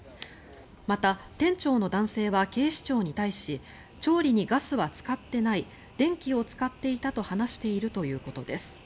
また、店長の男性は警視庁に対し調理にガスは使ってない電気を使っていたと話しているということです。